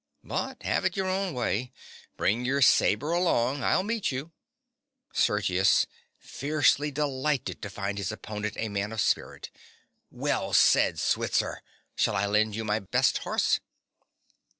But have it your own way. Bring your sabre along. I'll meet you. SERGIUS. (fiercely delighted to find his opponent a man of spirit). Well said, Switzer. Shall I lend you my best horse?